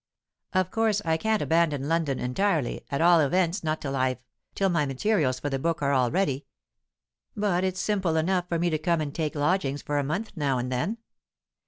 Of course I can't abandon London entirely; at all events, not till I've till my materials for the book are all ready; but it's simple enough for me to come and take lodgings for a month now and then."